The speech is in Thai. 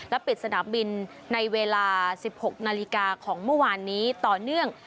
ปิดสนามบินในเวลา๑๖นาฬิกาของเมื่อวานนี้ต่อเนื่อง